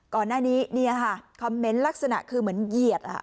ก่อนหน้านี้คอมเมนต์ลักษณะคือเหมือนเหยียด